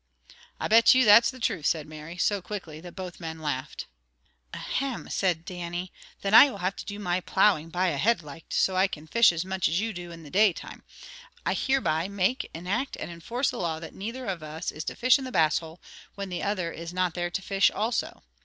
"I bet you that's the truth!" said Mary, so quickly that both men laughed. "Ahem!" said Dannie. "Then I will have to do my plowing by a heidlicht, so I can fish as much as ye do in the day time. I hereby make, enact, and enforce a law that neither of us is to fish in the Bass hole when the other is not there to fish also.